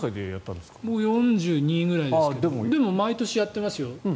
４２歳ぐらいですがでも毎年やってますよ。